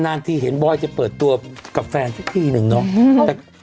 นานทีเห็นบอยจะเปิดตัวกับแฟนสักทีนึงเนาะ